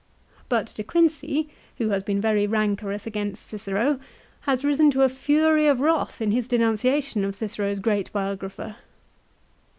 But De Quincey, who has been very rancorous against Cicero, has risen to a fury of wrath in his denunciation of Cicero's great biographer.